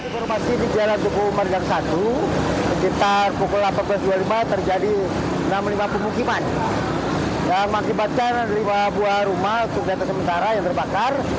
pada pukul delapan belas dua puluh lima terjadi enam lima pemukiman yang mengakibatkan lima buah rumah tukar tersementara yang terbakar